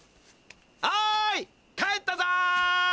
おい帰ったぞ！